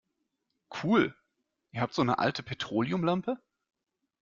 Cool, ihr habt so eine alte Petroleumlampe?